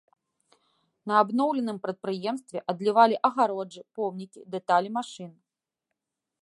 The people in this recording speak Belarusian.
На абноўленым прадпрыемстве адлівалі агароджы, помнікі, дэталі машын.